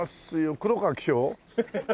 黒川紀章？